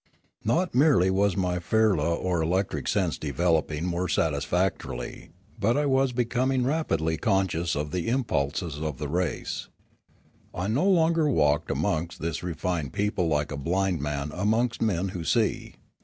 Not merely was my firla or electric sense developing more satis factorily; but I was becoming rapidly conscious of the impulses of the race. I no longer walked amongst this refined people like a blind man amongst men who see.